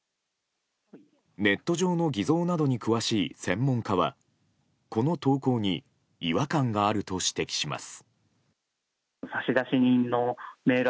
ネット上の偽造などに詳しい専門家はこの投稿に、違和感があると指摘します。